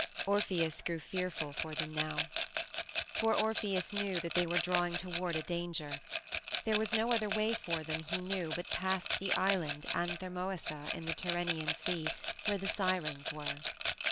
Orpheus grew fearful for them now. For Orpheus knew that they were drawing toward a danger. There was no other way for them, he knew, but past the Island Anthemoessa in the Tyrrhenian Sea where the Sirens were.